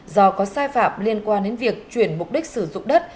do có sai phạm liên quan đến việc chuyển mục đích sử dụng đất